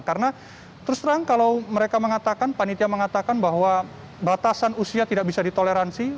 karena terus terang kalau mereka mengatakan panitia mengatakan bahwa batasan usia tidak bisa ditoleransi